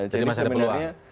jadi mas ada peluang